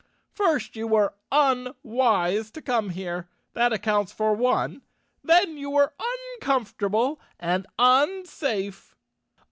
First you were unwise to come here. That accounts for one; then you were uncomfortable and unsafe."